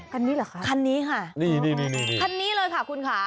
คันนี้ค่ะคันนี้เลยค่ะคุณค่ะ